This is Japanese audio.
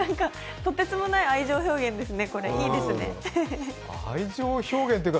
とてつもない愛情表現ですね。